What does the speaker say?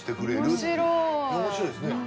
面白いですね。